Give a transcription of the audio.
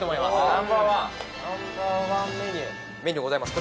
Ｎｏ．１Ｎｏ．１メニューメニューございます